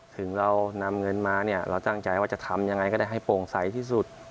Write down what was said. ถึงเรานำเงินมาเนี่ยเราตั้งใจว่าจะทำยังไงก็ได้ให้โปร่งใสที่สุด